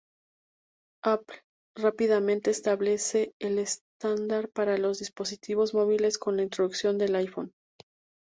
Apple rápidamente establece el estándar para los dispositivos móviles con la introducción del iPhone.